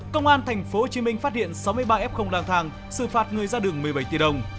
công an tp hcm phát hiện sáu mươi ba f lang thang xử phạt người ra đường một mươi bảy tỷ đồng